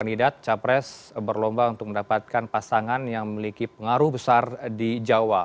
kandidat capres berlomba untuk mendapatkan pasangan yang memiliki pengaruh besar di jawa